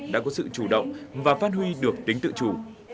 đã có sự chủ động và phát huy được tính tự chủ